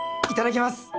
いただきます！